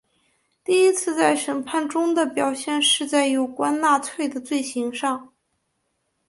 第一次在审判中的表现是在有关纳粹的罪行上。